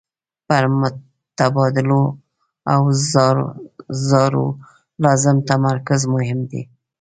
پر متبادلو اوزارو لازم تمرکز مهم دی.